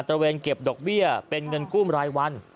ระเวนเก็บดอกเบี้ยเป็นเงินกู้รายวัน